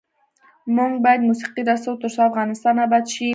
موږ باید موسیقي رسوو ، ترڅو افغانستان اباد شي.